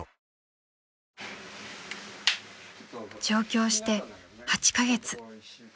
［上京して８カ月］